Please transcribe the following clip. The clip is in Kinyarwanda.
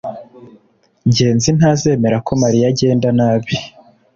ngenzi ntazemera ko mariya agenda nabi